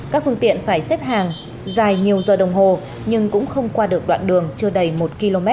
các phương tiện phải xếp hàng dài nhiều giờ đồng hồ nhưng cũng không qua được đoạn đường chưa đầy một km